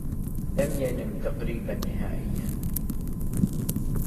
لم ينم تقريبا نهائياً.